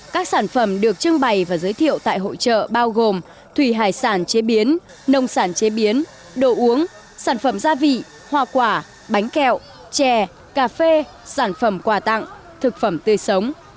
các sản phẩm được trưng bày và giới thiệu tại hội trợ bao gồm thủy hải sản chế biến nông sản chế biến đồ uống sản phẩm gia vị hoa quả bánh kẹo chè cà phê sản phẩm quà tặng thực phẩm tươi sống